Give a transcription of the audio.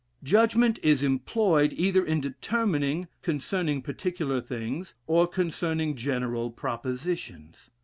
Judgment is employed either in determining, concerning particular things, or concerning general propositions.